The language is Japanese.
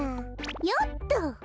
よっと。